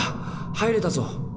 入れたぞ！